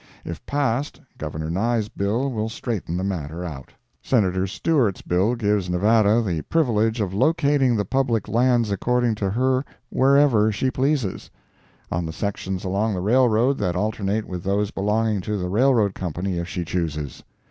If passed, Governor Nye's bill will straighten the matter out. Senator Stewart's bill gives Nevada the privilege of locating the public lands according to her wherever she pleases—on the sections along the railroad that alternate with those belonging to the railroad company if she chooses.